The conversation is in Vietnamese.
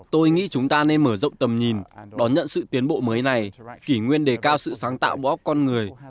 tôi nghĩ chúng ta nên mở rộng tầm nhìn đón nhận sự tiến bộ mới này kỷ nguyên đề cao sự sáng tạo boc con người